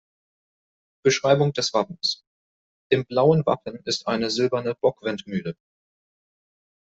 Beschreibung des Wappens: Im blauen Wappen ist eine silberne Bockwindmühle.